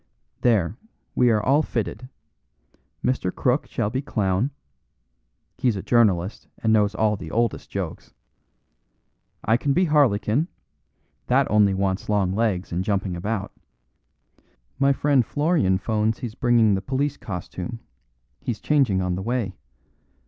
"There, we are all fitted. Mr. Crook shall be clown; he's a journalist and knows all the oldest jokes. I can be harlequin, that only wants long legs and jumping about. My friend Florian 'phones he's bringing the police costume; he's changing on the way.